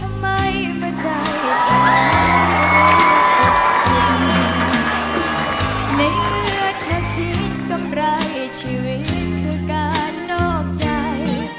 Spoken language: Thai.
ในเมื่อเธอธิดกำไรชีวิตก็กันนอกใจ